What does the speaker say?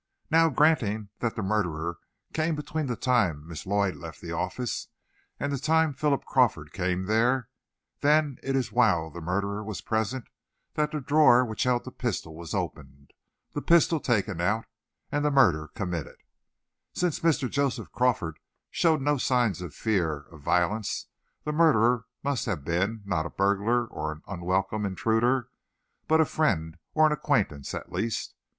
Now, granting that the murderer came between the time Miss Lloyd left the office and the time Philip Crawford came there, then it was while the murderer was present that the drawer which held the pistol was opened, the pistol taken out, and the murder committed, Since Mr. Joseph Crawford showed no sign of fear of violence, the murderer must have been, not a burglar or an unwelcome intruder, but a friend, or an acquaintance, at least.